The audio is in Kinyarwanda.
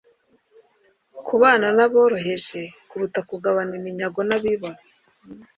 kubana naboroheje Kuruta kugabana iminyago n abibone